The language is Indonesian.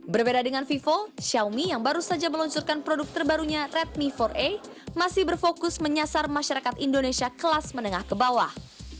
berbeda dengan vivo xiaomi yang baru saja meluncurkan produk terbarunya redmi empat a masih berfokus menyasar masyarakat indonesia kelas menengah ke bawah